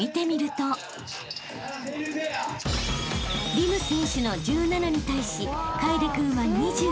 ［輪夢選手の１７に対し楓君は２０］